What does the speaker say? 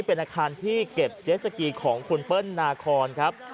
เป็นอาคารที่เก็บเจสสกีของคุณเปิ้ลนาคอนครับ